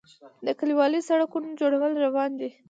د کلیوالي سړکونو جوړول روان دي